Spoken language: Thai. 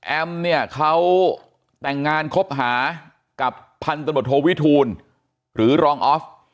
เนี่ยเขาแต่งงานคบหากับพันธบทโทวิทูลหรือรองออฟ